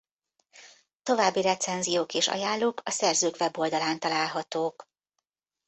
További recenziók és ajánlók a szerzők weboldalán találhatók.